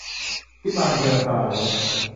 วิมานเพลิง - สราญรส